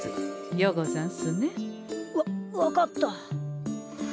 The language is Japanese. ようござんすね。わ分かった。